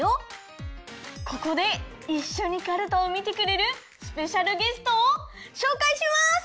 ここでいっしょにかるたをみてくれるスペシャルゲストをしょうかいします！